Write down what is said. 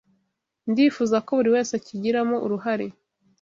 Ndifuza ko buri wese akigiramo uruhare